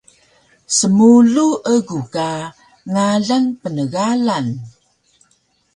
Smulu egu ka ngalan pnegalang